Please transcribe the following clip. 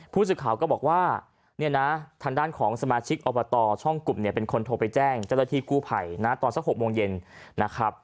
ผู้สื่อข่าวก็บอกว่าเนี่ยนะทางด้านของสมาชิกอบตช่องกลุ่มเนี่ยเป็นคนโทรไปแจ้งเจ้าหน้าที่กู้ภัยนะตอนสัก๖โมงเย็นนะครับ